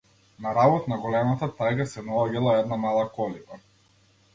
На работ на големата тајга се наоѓала една мала колиба.